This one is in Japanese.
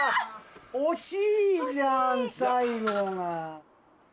惜しいじゃん最後が！